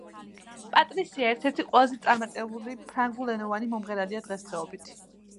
პატრისია ერთ–ერთი ყველაზე წარმატებული ფრანგულენოვანი მომღერალია დღესდღეობით.